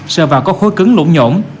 sợ vào có khối cứng lỗ nhổn